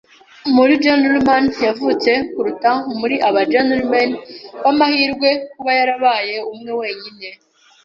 muri gen'leman yavutse kuruta muri aba gen'leman b'amahirwe, kuba yarabaye umwe wenyine. ”